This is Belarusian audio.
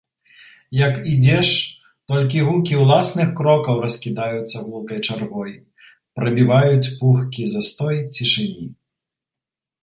Як ідзеш, толькі гукі ўласных крокаў раскідаюцца гулкай чаргой, прабіваюць пухкі застой цішыні.